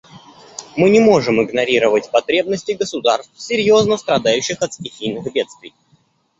Мы не можем игнорировать потребности государств, серьезно страдающих от стихийных бедствий.